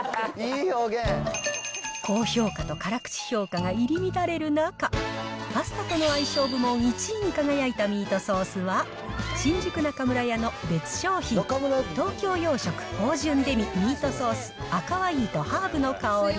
高評価と辛口評価が入り乱れる中、パスタとの相性部門１位に輝いたミートソースは、新宿中村屋の別商品、東京洋食・芳醇デミミートソース赤ワインとハーブの香り。